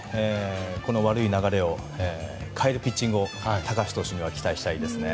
この悪い流れを変えるピッチングを高橋投手には期待したいですね。